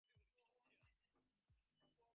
তাহলেই হয়ে গেল।